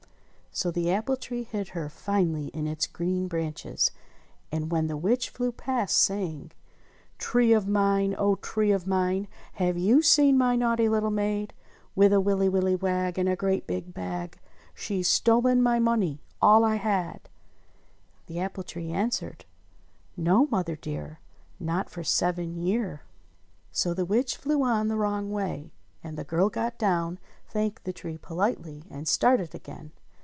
So the apple tree hid her finely in its green branches ; and when the witch flew past saying : "Tree of mine! O Tree of mine ! Have you seen my naughty little maid With a willy willy wag and a great big bag, She's stolen my money — all I had ?" the apple tree answered : "No, mother dear, Not for seven year!" So the witch flew on the wrong way, and the girl got down, thanked the tree politely, and started again.